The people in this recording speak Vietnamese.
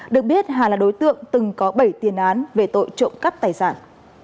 được biết hà là đối tượng từng có bảy tiền án về tội trộm cắp tài sản